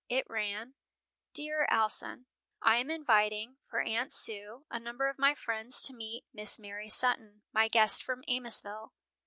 It ran: "DEAR ALSON: I am inviting, for Aunt Sue, a number of my friends to meet Miss Mary Sutton, my guest from Amosville.